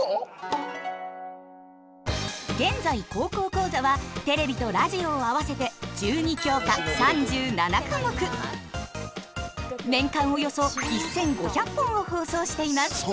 現在「高校講座」はテレビとラジオを合わせて１２教科３７科目年間およそ１，５００本を放送しています。